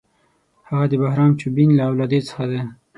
هغه د بهرام چوبین له اولادې څخه دی.